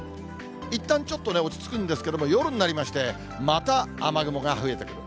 いったんちょっとね、落ち着くんですけれども、夜になりまして、また雨雲が増えてくる。